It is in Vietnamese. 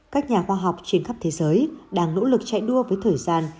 các nhà khoa học trên khắp thế giới đang nỗ lực chạy đua với thời gian